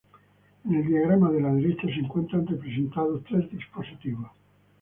En el diagrama de la derecha se encuentran representados tres dispositivos.